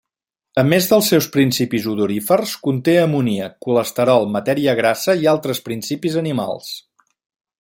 A més dels seus principis odorífers, conté amoníac, colesterol, matèria grassa, i altres principis animals.